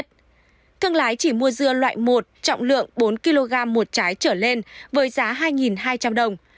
thương lái chỉ mua dưa loại một trọng lượng bốn kg một trái trở lên với giá hai hai trăm linh đồng